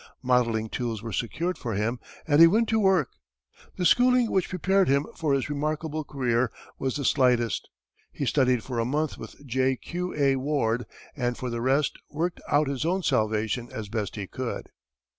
Modelling tools were secured for him, and he went to work. The schooling which prepared him for his remarkable career was of the slightest. He studied for a month with J. Q. A. Ward, and for the rest, worked out his own salvation as best he could.